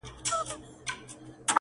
پښتنه ده آخير~